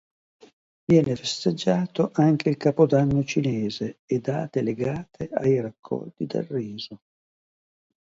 Viene festeggiato anche il capodanno cinese e date legate ai raccolti del riso.